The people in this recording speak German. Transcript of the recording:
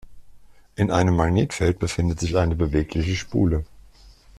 In einem Magnetfeld befindet sich eine bewegliche Spule.